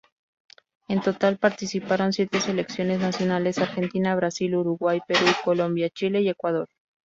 En total participaron siete selecciones nacionales: Argentina, Brasil, Uruguay, Perú, Colombia, Chile y Ecuador.